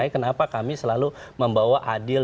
kenapa kami selalu membawa adil